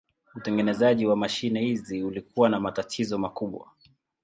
Utengenezaji wa mashine hizi ulikuwa na matatizo makubwa.